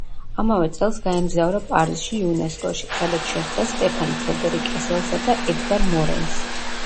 ამავე წელს გაემგზავრა პარიზში იუნესკოში, სადაც შეხვდა სტეფან ფრედერიკ ესელსა და ედგარ მორენს.